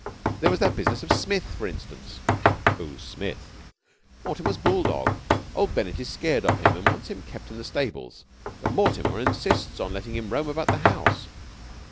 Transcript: There was that business of Smith, for instance." "Who's Smith?" "Mortimer's bull dog. Old Bennett is scared of him, and wants him kept in the stables, but Mortimer insists on letting him roam about the house.